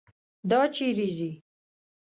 دا چیرې ځي.